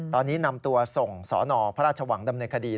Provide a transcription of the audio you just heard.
ตอนนี้นำตัวส่งสนพระราชวังดำเนินคดี